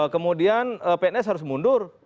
kemudian pns harus mundur